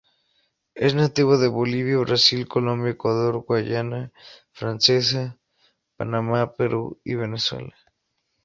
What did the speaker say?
Es nativa de Bolivia, Brasil, Colombia, Ecuador, Guyana Francesa, Panamá, Perú y Venezuela.